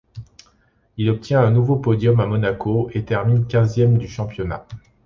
Il obtient un nouveau podium, à Monaco, et termine quinzième du championnat.